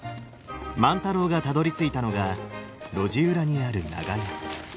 万太郎がたどりついたのが路地裏にある長屋。